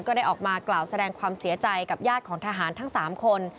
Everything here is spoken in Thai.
ได้ออกมากล่าวแสดงความเสียใจกับญาติของทหารทั้ง๓คน